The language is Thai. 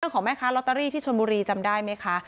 ของแม่ค้าลอตเตอรี่ที่ชนบุรีจำได้ไหมคะ